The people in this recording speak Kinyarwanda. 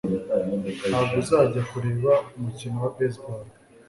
Ntabwo uzajya kureba umukino wa baseball?